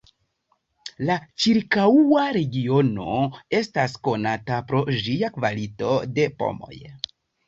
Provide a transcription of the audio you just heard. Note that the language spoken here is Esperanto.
La ĉirkaŭa regiono estas konata pro ĝia kvalito de pomoj.